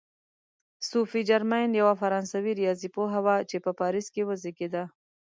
صوفي جرمین یوه فرانسوي ریاضي پوهه وه چې په پاریس کې وزېږېده.